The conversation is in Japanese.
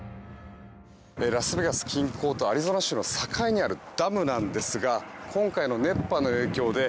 ラスベガス近郊とアリゾナ州の境にあるダムなんですが今回の熱波の影響で